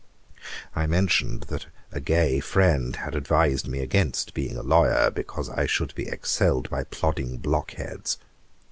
I mentioned that a gay friend had advised me against being a lawyer, because I should be excelled by plodding block heads.